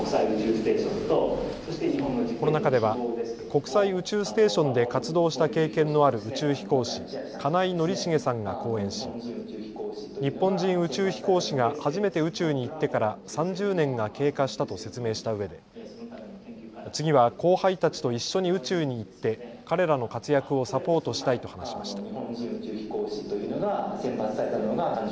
この中では国際宇宙ステーションで活動した経験のある宇宙飛行士、金井宣茂さんが講演し日本人宇宙飛行士が初めて宇宙に行ってから３０年が経過したと説明したうえで次は後輩たちと一緒に宇宙に行って彼らの活躍をサポートしたいと話しました。